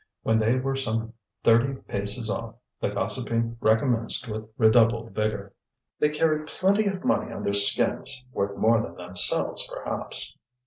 When they were some thirty paces off, the gossiping recommenced with redoubled vigour. "They carry plenty of money on their skins; worth more than themselves, perhaps."